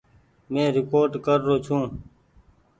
مين ريڪوڊ ڪر رو ڇون۔